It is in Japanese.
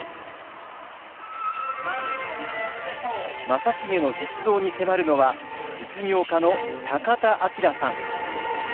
正成の実像に迫るのは実業家の田明さん。